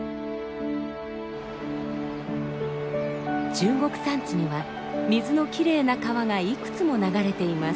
中国山地には水のきれいな川がいくつも流れています。